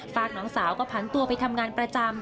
ฝากน้องสาวก็ผันตัวไปทำงานประจำ